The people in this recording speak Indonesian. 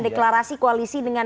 deklarasi koalisi dengan